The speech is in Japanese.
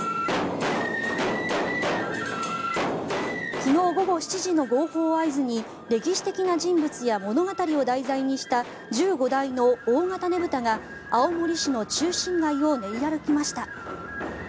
昨日午後７時の号砲を合図に歴史的な人物や物語を題材にした１５台の大型ねぶたが青森市の中心街を練り歩きました。